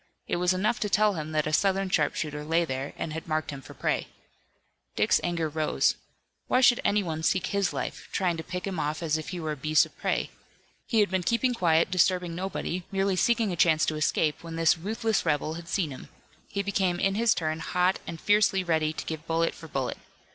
It was enough to tell him that a Southern sharpshooter lay there and had marked him for prey. Dick's anger rose. Why should anyone seek his life, trying to pick him off as if he were a beast of prey? He had been keeping quiet, disturbing nobody, merely seeking a chance to escape, when this ruthless rebel had seen him. He became in his turn hot and fiercely ready to give bullet for bullet.